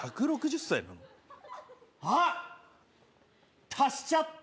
あ、足しちゃった。